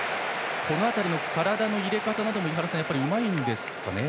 この辺りの体の入れ方なども井原さん、うまいんですかね。